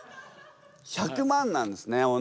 １００万なんですね。